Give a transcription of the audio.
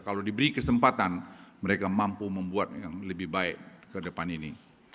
kalau diberi kesempatan mereka mampu membuat yang lebih baik ke depan ini